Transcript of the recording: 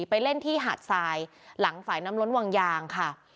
ไปเล่นที่หาดทรายหลังฝ่ายน้ำล้นวังยางค่ะ